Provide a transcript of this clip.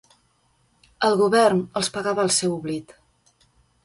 El Govern els pagava el seu oblit.